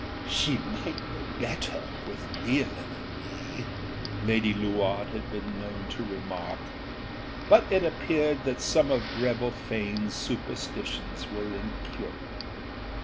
âShe might know better, with Leolin and me,â Lady Luard had been known to remark; but it appeared that some of Greville Faneâs superstitions were incurable.